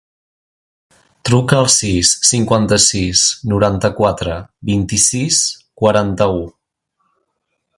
Truca al sis, cinquanta-sis, noranta-quatre, vint-i-sis, quaranta-u.